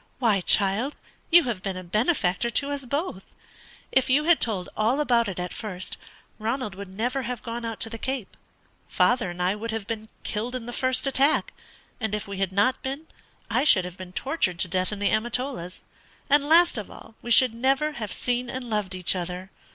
"Why, child, you have been a benefactor to us both! If you had told all about it at first, Ronald would never have gone out to the Cape; father and I would have been killed in the first attack; and if we had not been, I should have been tortured to death in the Amatolas; and, last of all, we should never have seen and loved each other.